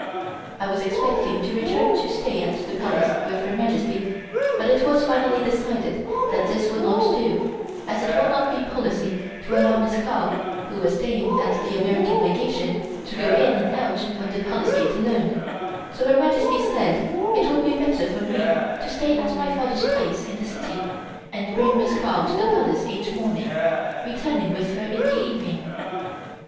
I was expecting to return to stay at the Palace with Her Majesty, but it was finally decided that this would not do, as it would not be policy to allow Miss Carl, who was staying at the American Legation, to go in and out of the Palace Gate alone, so Her Majesty said it would be better for me to stay at my father's place in the city and bring Miss Carl to the Palace each morning, returning with her in the evening.